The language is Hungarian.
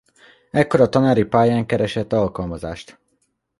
Ekkor a tanári pályán keresett alkalmazást.